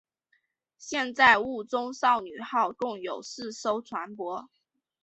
现在雾中少女号共有四艘船舶。